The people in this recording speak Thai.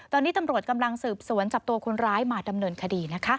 ตอนนี้ตำรวจกำลังสืบสวนจับตัวคนร้ายมาดำเนินคดีนะคะ